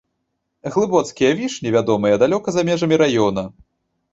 Глыбоцкія вішні вядомыя далёка за межамі раёна.